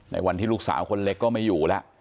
วันที่ลูกสาวคนเล็กก็ไม่อยู่แล้ว